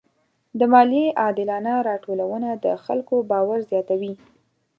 د مالیې عادلانه راټولونه د خلکو باور زیاتوي.